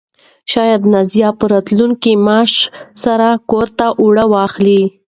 شاید نازیه په راتلونکي معاش سره کور ته اوړه واخلي.